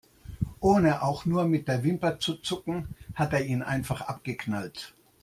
Ohne auch nur mit der Wimper zu zucken, hat er ihn einfach abgeknallt.